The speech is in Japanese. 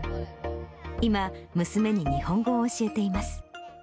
今、娘に日本語を教えています。